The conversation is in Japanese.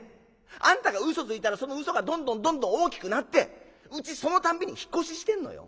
あんたが嘘ついたらその嘘がどんどんどんどん大きくなってうちその度に引っ越ししてんのよ」。